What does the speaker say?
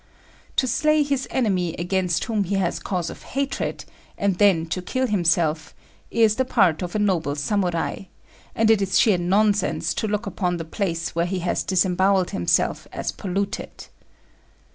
To slay his enemy against whom he has cause of hatred, and then to kill himself, is the part of a noble Samurai; and it is sheer nonsense to look upon the place where he has disembowelled himself as polluted.